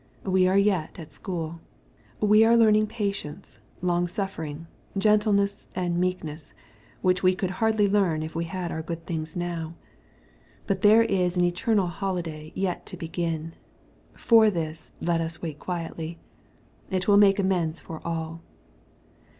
We are yet at school. We are learning patience, longsuffering, gentleness, and meekness, which we could hardly learn if we had our good things now. But there is an eternal holiday yet to begin. For this let us wait quietly. It will make amends for all.